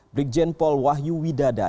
brigjen pol wahyu widada